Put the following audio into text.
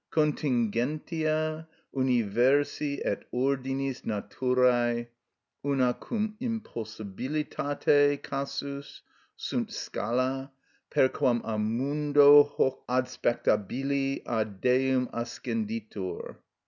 Contingentia universi et ordinis naturæ, una cum impossibilitate casus, sunt scala, per quam a mundo hoc adspectabili ad Deum ascenditur.